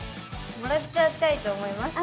もらっちゃいたいと思います。